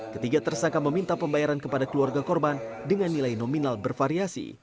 ketiga tersangka meminta pembayaran kepada keluarga korban dengan nilai nominal bervariasi